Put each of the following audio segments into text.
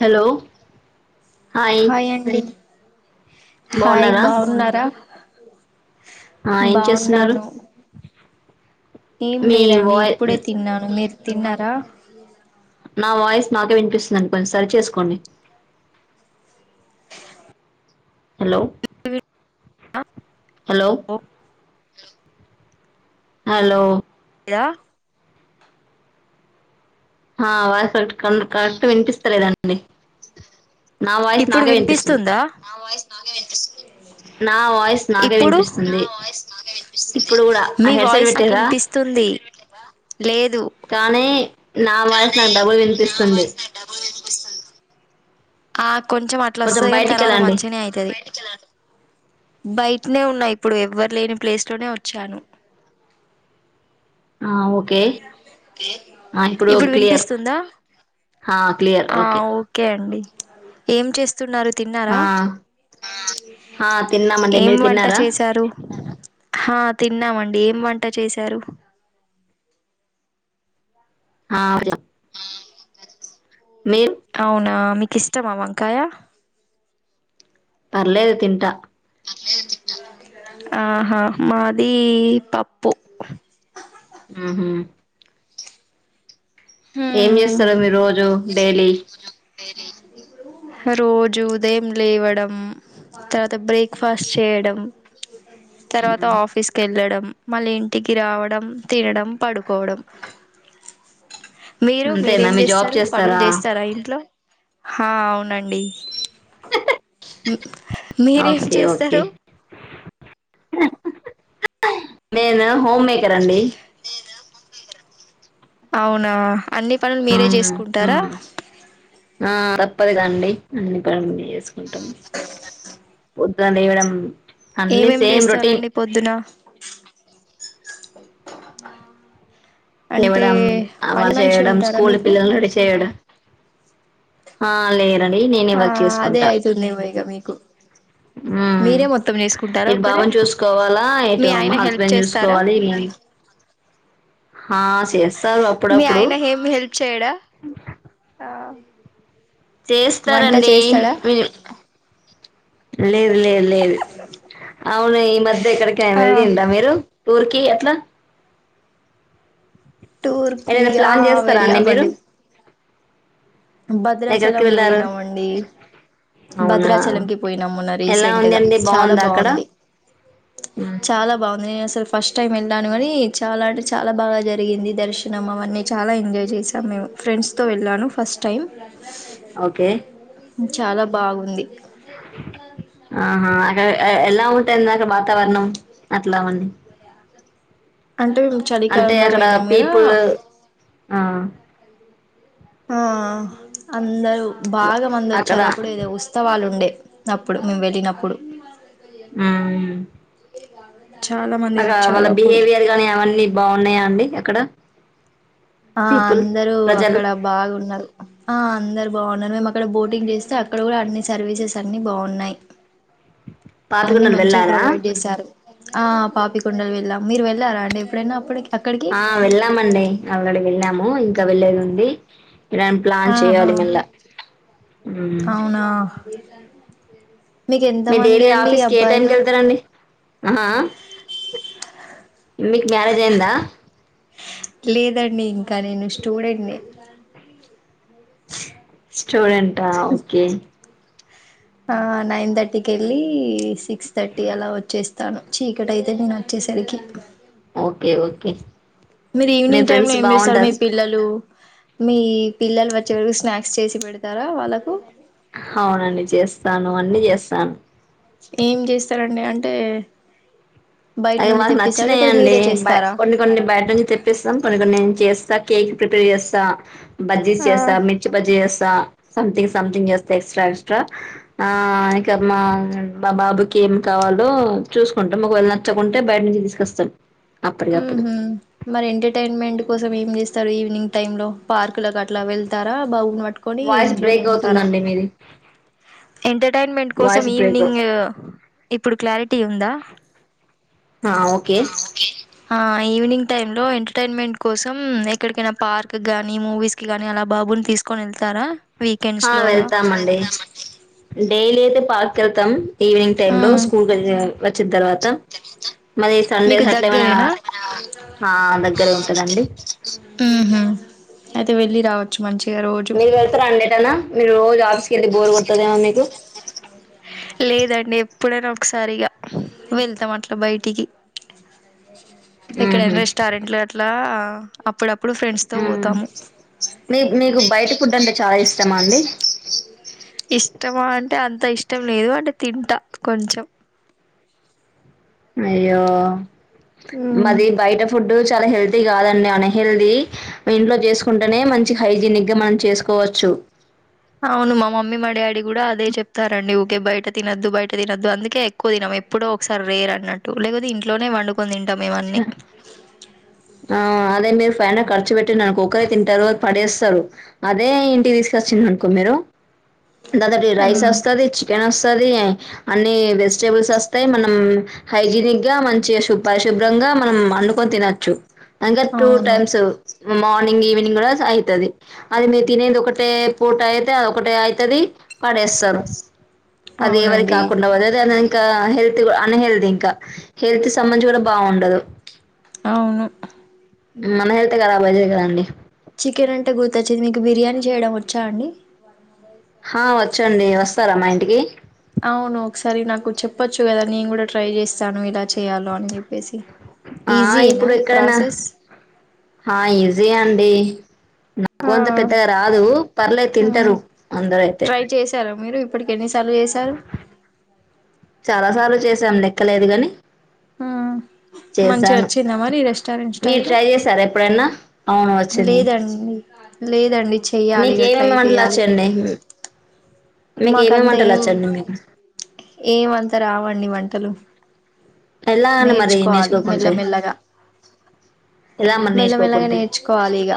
Hello hi hi బాగున్నారా బావున్నారా ఆ ఏం చేస్తున్నారు ఏం మీ లేదండి వాయి ఇప్పుడే తిన్నాను మీరు తిన్నరా నా వాయిస్ నాకే వినిపిస్తుందిండి కొంచెం సరి చేసుకోండి హలో ఆ హలో హలో హాలో యా ఆ వాయిస్ కరెక్ట్ కరెక్ట్ గా వినిపిస్తలేదండి నా వాయిస్ ఇప్పుడు నాకే వినిపిస్తుంది వినిపిస్తుందా నా వాయిస్ నాకే ఇప్పుడు వినిపిస్తుంది ఇప్పుడు కూడా ఆ మీ హెడ్ సెట్ వాయిస్ నాకు పెట్టిన్రా వినిపిస్తుంది లేదు కానీ నా వాయిస్ నాకు డబుల్ వినిపిస్తుంది ఆ చ్ కొంచెం అట్లా వస్తాది కాని బయటికి తర్వాత వెళ్ళండి మంచినే అయితది బయటనే ఉన్నా ఇప్పుడు ఎవ్వరు లేని ప్లేస్ లోనే వచ్చాను ఆ ఓకే ఆ ఇప్పుడు క్లియర్ వినిపిస్తుందా ఆ క్లియర్ ఆ ఓకే అండి ఏం చేస్ స్తున్నారు తిన్నారా ఆ ఆ తిన్నామండి ఏం మీరు వంట తిన్నారా చేశారు హా తిన్నామండి ఏం వంట చేశారు ఆ మీర్ అవునా మీకు ఇష్టమా వంకాయ పర్లేదు తింటా ఆహా మాది పప్పు ఉహు ఏం చేస్తారు మీరు రోజు డైలీ హా రోజు ఉదయం లేవడం తర్వాత బ్రేక్ఫాస్ట్ చేయడం తర్వాత హ్మ్. ఆఫీస్ కెళ్ళడం మళ్ళీ ఇంటికి రావడం తినడం పడుకోవడం మీరు అంతేనా మీరేం మీ జాబ్ చేస్తారు పనులు చేస్తారా ఇంట్లో హా అవునండి మీరేం చేస్తారు నేనా హోమ్ మేకర్ అండి అవునా అన్ని పనులు మీరే ఉమ్ చేసుకుంటారా తప్పది కదండి అన్ని పనులు జేస్ ఉంటం పొద్దు దిగడం ఏమేం చేస్తారండి పొద్దున అంటే లేవడం అ పని వంట మనిషి చేయడం ఉంటారా స్కూల్ మీకు పిల్లల్ని రెడీ చేయడం ఆ లేే దండి నేనే ఆ వర్క్ అదే చేసుకుంటా అయితుందేమో ఇక మీకు హ్మ్ మీరే మొత్తం చేసుకుంటారా ఇటు ఒక్కరే బాబుని చూసుకోవాలా మీ ఇటు ఆయన మా హెల్ప్ హస్బెండ్ చేస్తారా చూసుకోవాలి ఆ సేస్తారు మీ అప్పుడప్పుడు ఆయన ఏం హెల్ప్ చేయడా వంట చేస్తారండి చేస్తాడా మీ లేదు లేదు లేదు అవును ఈ మధ్య ఆ ఎక్కడికైనా ఎల్లిండ మీరు టూర్కి అట్లా టూర్కీ ఏదైనా ఆ ప్లాన్ చేస్తారా అండి మీరు వెళ్ళామండి ఎక్కడికి భద్రాచలం వెళ్ళారు బొయినమండి అవునా భద్రాచలం కి పోయినాము మొన్న ఎలా రీసెంట్గా ఉందండి చాలా బాగుందా అక్కడ బాగుంది మ్మ్. చాలా బాగుంది నేను అసలు ఫస్ట్ టైం వెళ్ళాను అనీ చాలా అంటే చాలా బాగా జరిగింది దర్శనం అవన్నీ చాలా ఎంజాయ్ చేసాం మేము ఫ్రెండ్స్తో వెళ్ళాను ఫస్ టైం ఓకే చాలా బాగుంది ఎట్లా తెషీన నార్మల్ ఎ ఎ ఎలా ఉంటనాక వాతావరణం అట్లా ఉండి అంటే చలికాలంలో పోయినాం కదా పీపుల్ ఆ ఆ అ అందరు బాగా మంది అక్కడ వచ్చారు అప్పుడు ఏదో ఉత్సవాలు ఉండే అప్పుడు మేమ్ వెళ్ళినప్పుడు మ్ చాలా మంది అగ వచ్చారు వాళ్ళ అప్పుడు బిహేవియర్ గాని అవన్నీ బాగున్నాయా అండి క్కడ ఆ అందరూ అక్కడ బాగున్నారు ఆ అందరు బాగున్నారు మేము అక్కడ బోటింగ్ చేస్తే, అక్కడ కూడా అన్ని సర్వీసెస్ అన్ని బావున్నాయి పాతుకుండలు వెళ్ళారా చేశారు ఆ పాపికొండలు వెళ్ళాం మీరు వెళ్ళారా అండి ఎప్పుడైనా అప్పటికి అక్కడికి ఆ వెళ్ళామండి ఆల్రెడీ వెళ్ళాము ఇంక వెళ్లేేది ఉంది మేం ప్లాన్ ఆహా చెయ్యాలి మల్ల అవునా ఏ మీ డైలీ ఆఫీస్ కి ఏ టైం క వెళ్తారండి ఆహా మీకి మ్యారేజ్ అయ్యందా లేదండి ఇంకా నేను స్టూడెంట్నీ చటూడెంటా ఓకే ఆ నైన్ థర్టీకి వెళ్ళి సిక్స్ థర్టీ అలా వచ్చేస్తాను, చీకటి అయితే నేను వచ్చేసరికి ఓకే ఓకే మీరు మీ ఈవినింగ్ టైమ్ లో ఫ్రెండ్స్ ఏం చేస్తారు మీ బాగుంటారు పిల్లలు మీ పిల్లలు వచ్చే వరకు స్నాక్స్ చేసి పెడతారా వాళ్ళకు అవునండి చేస్తాను అన్ని చేస్తాను ఏం చేస్తారండి అం ట అది మాకు నచ్చినాయండి, బ చేస్తారా కొన్ని కొన్ని బయట నుంచి తెప్పిస్తాం కొన్ని కొన్ని ను చేస్తా కేక్ ప్రిపేర్ చేస్తా బాజ్జిస్ ఆ చేస్తా మిర్చి బాజ్జిస్ చేస్ ఆ సంథింగ్ సంథింగ్ చేస్తే ఎక్స్ట్రా ఎక్స్ట్రా ఆ ఇక మా మా బాబుకి ఏం కావాలో చూసుకుంటా మా [unintelligible] చ్చకుంటే బయట నుంచి తీసుకొస్తాను ఊహూ మరి ఎంటర్టైన్మెంట్ కోసం ఏం చేస్తారు ఈవినింగ్ టైం లో పార్కు లకు అట్లా వెళ్తారా బాబు ని పట్ పట్టుకొని వాయిస్ ఇంట్లోనే బ్రేక్ ఉంటారా అవుతుందండి మీది ఎంటర్టైన్మెంట్ కోసం వాయిస్ బ్రేక్ ఈవినింగ్ ఇప్పుడు క్లారి టీ ఉందా హ ఓకే ఆ ఈవినింగ్ టైం లో ఎంటర్టైన్మెంట్ కోసం ఎక్కడికైనా పార్క్ గానీ మూవీస్ కిగానీ అలా బాబుని తీసుకొని వెళ్తారా? వీకెండ్స్ ఆ లో అలా ఆ వెళ్తామండి డైలీ అయితే పార్కెల్తం ఈవినింగ్ టైం ఆ! లో హ్మ్. స్కూల్ కెళ్ళి వచ్చిన తర్వాత మరీ మీకు సండేస్ అట్ల ఏమైనా దగ్గరేనా ఆ దగ్గరే ఉంటదండి ఉహు అయితే వెళ్ళి రావచ్చు మంచి మీరు వెళ్తారా అండీ ఎటనా మీరు రోజు ఆఫీస్ కెళ్ళి ఎల్లి బోర్ కొడతాదేమో మీకు లేదండి ఎప్పుడైనా ఒకసారి ఇగ వెళ్తాం అట్ల బయటికి ఎక్కడైనా ఉహు రెస్టారెంట్లు అట్లా ఆ అప్పుడప్ హుమ్ మీకు బయట ఫుడ్ అంటే చాలా ఇష్టమా అండి ఇష్టమా అంటే అంత ఇష్టం లేదు అంటే తింటా కొంచెం అయ్యో ఉమ్ మది బయట ఫుడ్ ఇప్పుడు చాలా హెల్తీ కాదండి అన్హెల్దీ ఇంట్లో చేసుకుంటేనే మంచి హైజీనిక్ గా మనం చేసుకోవచ్చు అవును మా మమ్మీ మా డాడీ గుడా అదే చెప్తారండి ఊకే బయ్ తినొద్దు బయట తినద్దు అందుకే ఎక్కువ తినం ఎప్పుడో ఒకసారి రేర్ అన్నట్టు లేకపోతే ఇంట్లోనే వండు ఆ అదే పైన ఖర్చు పెట్టిండ్ అనుకో ఒకరే తింటారు పడేస్తరు అదే ఇంటికి తీసుకొచిండు అనుకో నేను దందాకి రైస్ మ్మ్ అస్తది చికెన్ అస్ అన్నీ వెజిటబుల్ వస్తాయ్ మనం హైజినిక్ గా మంచిగా సూప్ ప శుభ్రంగా మనం అండుకొని తినొచ్చు అంగ టూ టైమ్స్ మార్నింగ్ ఈవినింగ్ కూడ అయితది అది మీరు తినేది ఒకటే పూట అయితే అదోకటే అయితది పడేస్తరు అదేవరికి అవునండి కాకుండ పోతది ఇంకా హెల్త్ క్ అన్ హెల్దీ ఇంకా హెల్త్ సంబందించి గుడా బావుండదు అవును మన హెల్తే కరాబ్ అయితది కదండి చికెన్ అంటే గుర్తొచ్చింది మీకు బిర్యానీ చేయడం వచ్చా అండి ఆ వచ్చండి వస్తర మా ఇంటికి అవును ఒకసారి నాకు చెప్పొచ్చు కదా నేను గుడా ట్రై చేస్తాను ఎలా చె ఆ ఈజీయేనా ఇప్పుడు ఎక్కడనా ప్రాసెస్ ఆ ఈజీ అండి నాకు ఆ అంత పెద్దగా రాదు పర్లే ఉమ్ తింటరు అందరైతే ఎన్ని సార్లు చేశారు చేసాం లెక్కలేదు గని ఆ చేసాను. మీరు స్టైల్లో ట్రై చేశారా ఎప్పుడన్నా లేదండి లేదండి చెయ్యాలి మీకు ఇగ ట్రై ఏమేమి వంటలు చేయాలి వచ్చండి మీకు ఏమేమి మాకంతా వంటలు ఏం వచ్చండి మీకు ఏమంతా రావండి వం టలు ఎలా అని మరి నేర్చుకోవాలి నేర్చుకోకుంటే మెల్లమెల్లగా ఎలా మరి మెల్లమెల్లగా నేర్చుకోకుంటే నేర్చుకోవాలి ఇగ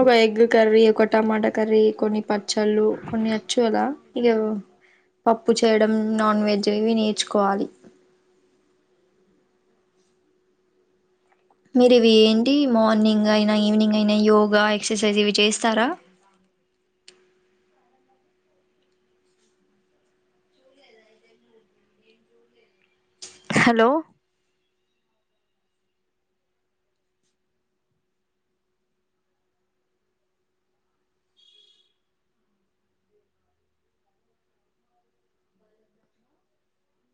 ఒక ఎగ్ కర్రీ ఒక టమాటా కర్రీ కొన్ని ప పచ్చళ్ళు కొన్ని వచ్చు అలా ఇగ పప్పు చేయడం నాన్ వెజ్ ఇవి నేర్చుకోవాలి. మీరు ఇవి ఏంటి మార్నింగ్ అయినా ఈవినింగ్ అయినా యోగా ఎక్సర్సైజ్ ఇవి చేస్తారా హలో